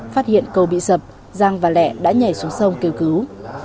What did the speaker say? phát hiện cầu bị sập giang và lẹ đã nhảy xuống sông kêu cứu